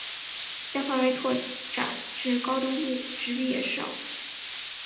将范围拓展至高中职毕业生